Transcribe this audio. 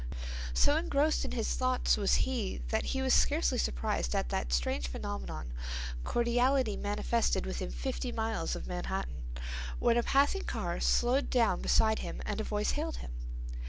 So engrossed in his thoughts was he that he was scarcely surprised at that strange phenomenon—cordiality manifested within fifty miles of Manhattan—when a passing car slowed down beside him and a voice hailed him.